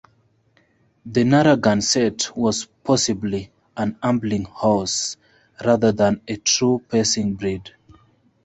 The Narragansett was possibly an ambling horse, rather than a true pacing breed.